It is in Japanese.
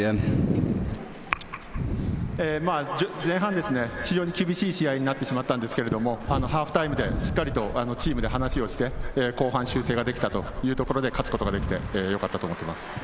前半、非常に厳しい試合になってしまったんですけれど、ハーフタイムでしっかりとチームで話をして、後半、修正ができたというところで勝つことができて本当によかったと思っています。